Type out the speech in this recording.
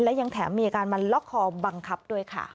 และยังแถมมีอาการมันล็อกคอบังคับด้วยค่ะ